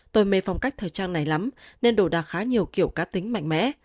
tôi mê phong cách thời trang này lắm nên đổ đạc khá nhiều kiểu cá tính mạnh mẽ